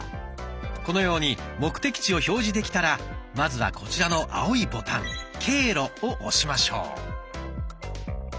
このように目的地を表示できたらまずはこちらの青いボタン「経路」を押しましょう。